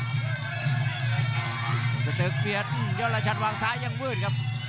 หลุมสตึกเบียนยอดลาชันวางซ้ายังวืดครับ